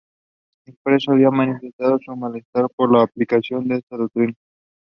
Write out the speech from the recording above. He travelled the world in search of new talent.